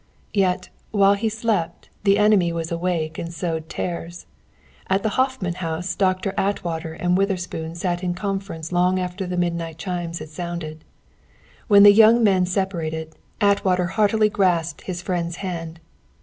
Yet, while he slept, the enemy was awake and sowed tares! At the Hoffman House Doctor Atwater and Witherspoon sat in conference long after the midnight chimes had sounded. When the young men separated, Atwater heartily grasped his friend's hand.